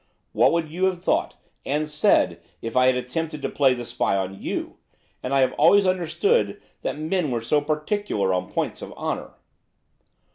What would you have thought and said if I had attempted to play the spy on you? And I have always understood that men were so particular on points of honour.